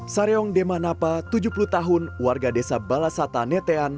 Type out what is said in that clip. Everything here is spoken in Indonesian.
saryong demanapa tujuh puluh tahun warga desa balasata netean